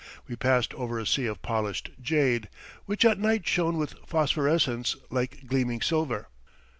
We passed over a sea of polished jade, which at night shone with phosphorescence like gleaming silver.